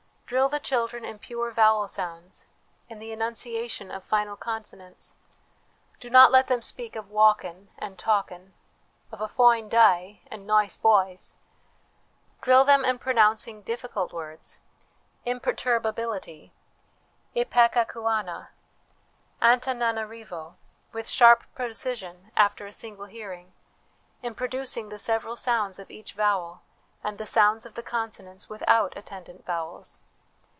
Drill the children in pure vowel sounds, in the enunciation of final consonants ; do not let them speak of 'walkin" and 'talkin',' of a ' fi ine da ay/ ' ni ice boy oys/ Drill them in pro nouncing difficult words ' imperturbability/' ipecacu anha,' ' Antananarivo,' with sharp precision after a single hearing ; in producing the several sounds of each vowel ; and the sounds of the consonants without attendant vowels.